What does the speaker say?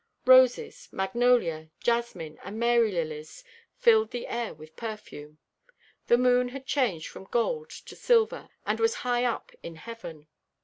Roses, magnolia, jasmine, and Mary lilies filled the air with perfume. The moon had changed from gold to silver, and was high up in heaven.